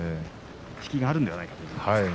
引きがあるんじゃないかと。